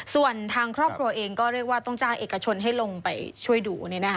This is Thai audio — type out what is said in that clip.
ส่วนทางครอบครัวเองก็เรียกว่าต้องจ้างเอกชนให้ลงไปช่วยดู